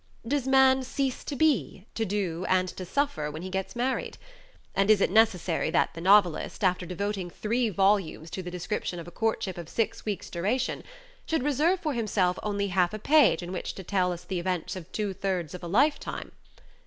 Does man cease to be, to do, and to suffer when he gets married? And is it necessary that the novelist, after devoting three volumes to the description of a courtship of six weeks duration, should reserve for himself only half a page in which to tell us the events of two thirds of a lifetime?